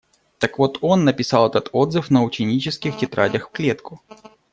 Так вот он написал этот отзыв на ученических тетрадях в клетку.